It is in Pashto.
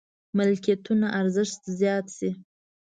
ملکيتونو ارزښت زيات شي.